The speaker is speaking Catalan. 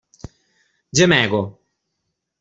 Gemego.